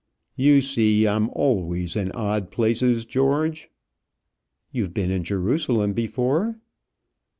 "You see, I'm always in odd places, George." "You've been in Jerusalem before?"